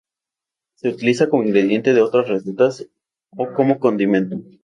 Se utiliza como ingrediente de otras recetas o como condimento.